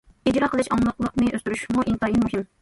ئىجرا قىلىش ئاڭلىقلىقىنى ئۆستۈرۈشمۇ ئىنتايىن مۇھىم.